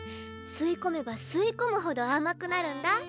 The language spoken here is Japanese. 吸いこめば吸いこむほどあまくなるんだ。